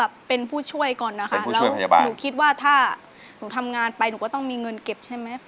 แล้วหนูคิดว่าถ้าหนูทำงานไปหนูก็ต้องมีเงินเก็บใช่ไหม